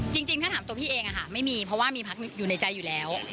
จริงถ้าถามตัวพี่เองไม่มีเพราะว่ามีพักอยู่ในใจอยู่แล้ว